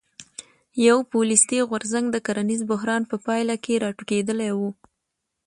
پوپولیستي غورځنګ د کرنیز بحران په پایله کې راټوکېدلی و.